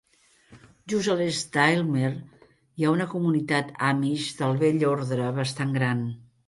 Just a l'est d'Aylmer hi ha una comunitat amish del Vell Ordre bastant gran.